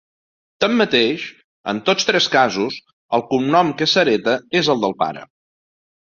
Tanmateix, en tots tres casos, el cognom que s'hereta és el del pare.